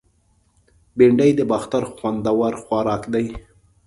بېنډۍ د باختر خوندور خوراک دی